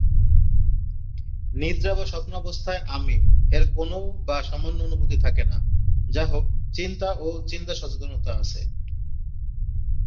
নিদ্রা বা স্বপ্নাবস্থায় 'আমি'-এর কোনো বা সামান্য অনুভূতি থাকে না; যাহোক, চিন্তা ও চিন্তা সচেতনতা আছে।